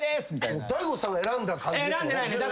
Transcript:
大悟さんが選んだ感じですもんね。